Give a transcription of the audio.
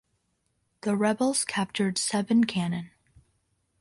The rebels captured seven cannon.